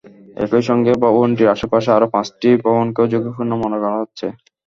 একই সঙ্গে ভবনটির আশপাশে আরও পাঁচটি ভবনকেও ঝুঁকিপূর্ণ মনে করা হচ্ছে।